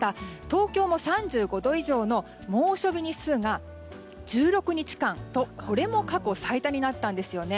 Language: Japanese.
東京も３５度以上の猛暑日日数が１６日間と、これも過去最多になったんですよね。